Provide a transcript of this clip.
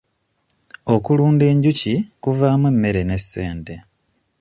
Okulunda enjuki kuvaamu emmere ne ssente.